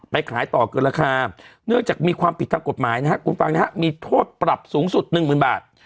ไปขายต่อเกินราคาเนื่องจากมีความผิดทางกฎหมายมีโทษปรับสูงสุดยอด๑หมื่นบาท